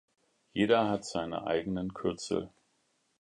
Jeder hat seine eigenen Kürzel.